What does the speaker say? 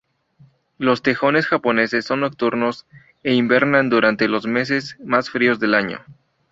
Los tejones japoneses son nocturnos e hibernan durante los meses más fríos del año.